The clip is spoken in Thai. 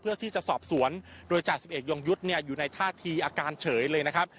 เพื่อที่จะสอบสวนโดยจ่าสิบเอกยงยุทธ์อยู่ในท่าทีอาการเฉยเลยนะครับ